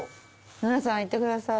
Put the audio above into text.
ノラさんいってください。